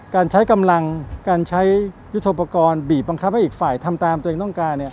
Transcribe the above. การใช้กำลังการใช้ยุทธโปรกรณ์บีบบังคับให้อีกฝ่ายทำตามตัวเองต้องการ